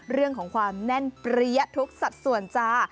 เรื่องของความแน่นเปรี้ยทุกสัดส่วนจ้า